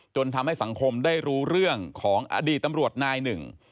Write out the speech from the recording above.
ทำให้สังคมได้รู้เรื่องของอดีตตำรวจนายหนึ่ง